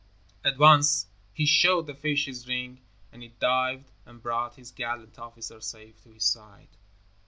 At once he showed the fish his ring and it dived and brought his gallant officer safe to his side.